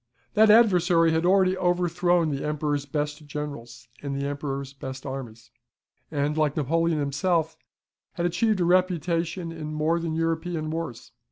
That Adversary had already overthrown the Emperor's best generals, and the Emperor's best armies; and, like Napoleon himself, had achieved a reputation in more than European wars.